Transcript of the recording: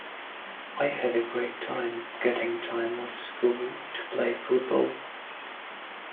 I had a great time, getting time off school to play football.